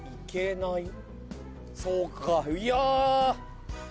そうかいや。